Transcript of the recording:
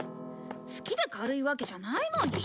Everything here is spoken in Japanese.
好きで軽いわけじゃないのに。